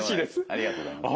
ありがとうございます。